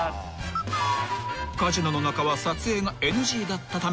［カジノの中は撮影がＮＧだったため］